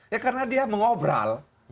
ya karena dia mengobrol